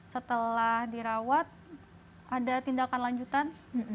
setelah dirawat ada tindakan lanjutan